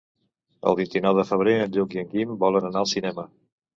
El vint-i-nou de febrer en Lluc i en Guim volen anar al cinema.